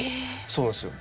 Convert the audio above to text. そうなんですよ。